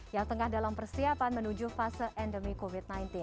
yang tengah dalam persiapan menuju fase endemi covid sembilan belas